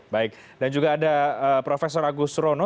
baik dan juga ada prof agus rono